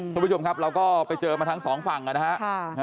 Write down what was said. คุณผู้ชมครับเราก็ไปเจอมาทั้งสองฝั่งนะครับ